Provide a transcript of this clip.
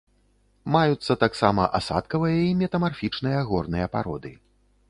Маюцца таксама асадкавыя і метамарфічныя горныя пароды.